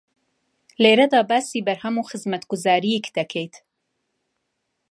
لێرەدا باسی بەرهەم و خزمەتگوزارییەک دەکەیت